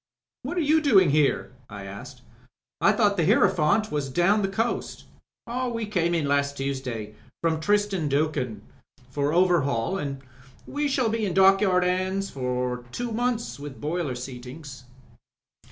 "What are you doing here?" I asked. "I thought the Hierophant was down the coast?" "We came in last Tuesday — ^from Tristan D*Acunha — ^for overhaul, and we shall be in dockyard 'ands for two months, with boiler seatings."